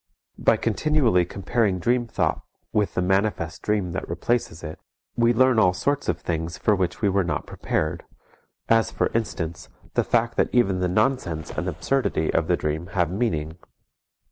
By continually comparing dream thought with the manifest dream that replaces it, we learn all sorts of things for which we were not prepared, as for instance, the fact that even the nonsense and absurdity of the dream have meaning.